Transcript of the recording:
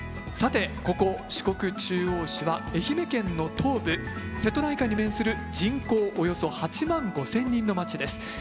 さてここ四国中央市は愛媛県の東部瀬戸内海に面する人口およそ８万５，０００人の町です。